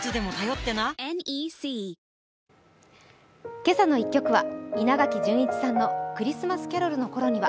「けさの１曲」は稲垣潤一さんの「クリスマスキャロルの頃には」